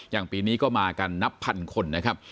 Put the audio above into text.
อย่างปีนี้ก็มากันนับพันคนนะครับ